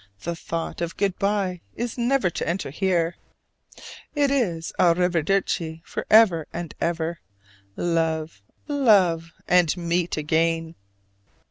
The thought of "good by" is never to enter here: it is A reviderci for ever and ever: "Love, love," and "meet again!"